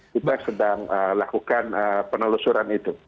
kita sedang lakukan penelusuran itu